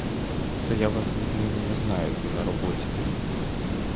То я вас віднині не знаю ту на роботі.